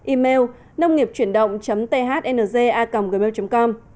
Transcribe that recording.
email nông nghiệpchuyendong thnza gmail com